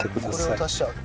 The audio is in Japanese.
これを足しちゃう。